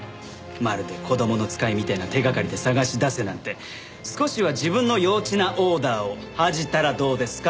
まるで子供の使いみたいな手掛かりで捜し出せなんて少しは自分の幼稚なオーダーを恥じたらどうですか？